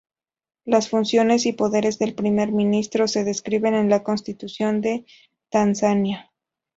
Las funciones y poderes del Primer Ministro se describen en la Constitución de Tanzania.